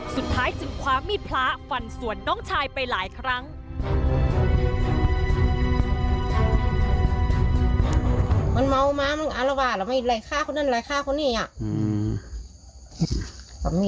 สุดท้ายจึงคว้ามีดพระฟันสวนน้องชายไปหลายครั้ง